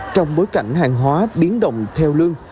trong bối cảnh hàng hóa biến động theo lương